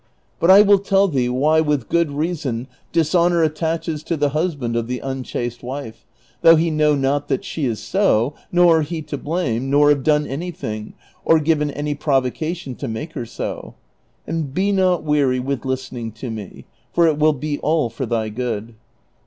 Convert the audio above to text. But I will tell thee w^hy with good reason dishonor attaches to the husband of the unchaste wife, thouofh he know not that she is so, nor be to blame, nor have done anything, or given any provocation to make her so ; and be not weary with listening to me, for it will be all for thy good.